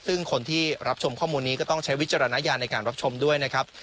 ซึ่งคนที่รับชมข้อมูลนี้ก็ต้องใช้วิจารณญาณในการรับชมด้วยนะครับ